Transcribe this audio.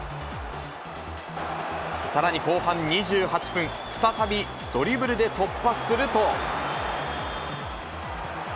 さらに後半２８分、再びドリブルで突破すると。